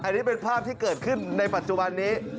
อันนี้เป็นภาพที่เกิดขึ้นในปัจจุบันนี้